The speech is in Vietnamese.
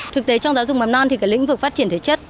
thực tế trong giáo dục mầm non thì cái lĩnh vực phát triển thể chất